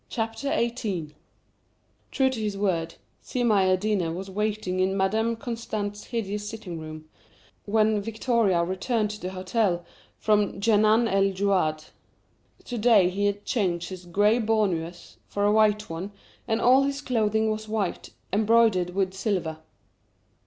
XVIII True to his word, Si Maïeddine was waiting in Madame Constant's hideous sitting room, when Victoria returned to the hotel from Djenan el Djouad. To day he had changed his grey bournous for a white one, and all his clothing was white, embroidered with silver.